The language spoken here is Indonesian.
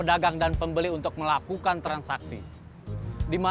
saya mau pulang dulu